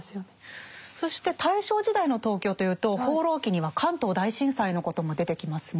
そして大正時代の東京というと「放浪記」には関東大震災のことも出てきますね。